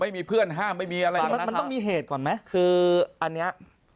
ไม่มีเพื่อนห้ามไม่มีอะไรมันมันต้องมีเหตุก่อนไหมคืออันเนี้ย